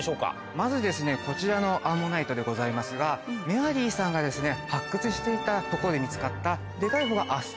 まずこちらのアンモナイトでございますがメアリーさんが発掘していた所で見つかったデカいほうが。